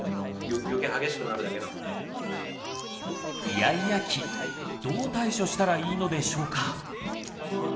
イヤイヤ期どう対処したらいいのでしょうか？